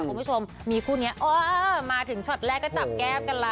คุณผู้ชมมีคู่นี้เออมาถึงช็อตแรกก็จับแก้มกันละ